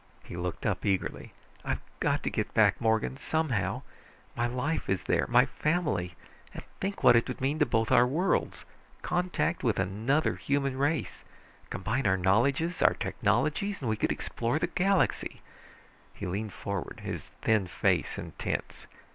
He looked up eagerly. "I've got to get back, Morgan, somehow. My life is there, my family. And think what it would mean to both of our worlds contact with another intelligent race! Combine our knowledges, our technologies, and we could explore the galaxy!" He leaned forward, his thin face intense.